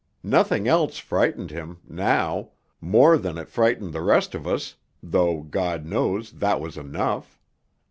Nothing else frightened him now more than it frightened the rest of us, though, God knows, that was enough.